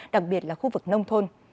đặc biệt là khu vực nông thôn